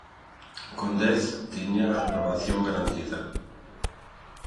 Con dez, tiña a renovación garantida.